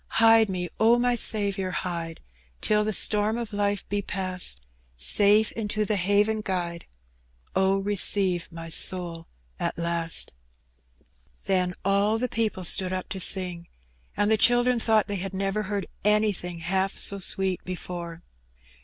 Hide me, Q my Saviour, hide, Till the storm of life be past ; Safe into the haven guide :.. Oh, receive my soul at last." Then all the people stood up to sing, and the children thought they had never heard anything half so sweet before.